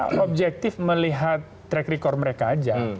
kita objektif melihat track record mereka aja